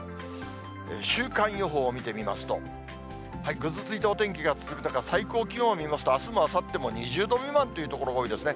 週間予報を見てみますと、ぐずついたお天気が続く中、最高気温を見ますと、あすもあさっても２０度未満という所が多いですね。